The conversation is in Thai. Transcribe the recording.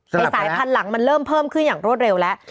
สายพันธุ์หลังมันเริ่มเพิ่มขึ้นอย่างรวดเร็วแล้ว